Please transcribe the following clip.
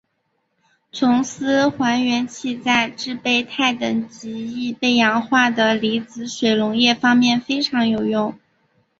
琼斯还原器在制备钛等极易被氧化的离子水溶液方面非常有用。